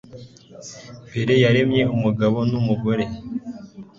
mbere yaremye umugabo n'umugore